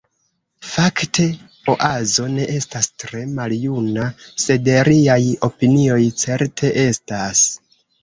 Fakte, Oazo ne estas tre maljuna, sed riaj opinioj certe estas.